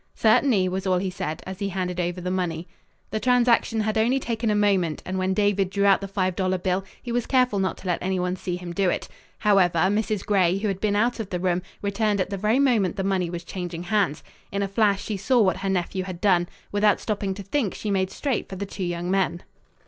"Certainly," was all he said, as he handed over the money. The transaction had only taken a moment and when David drew out the five dollar bill, he was careful not to let anyone see him do it. However, Mrs. Gray, who had been out of the room, returned at the very moment the money was changing hands. In a flash she saw what her nephew had done. Without stopping to think she made straight for the two young men.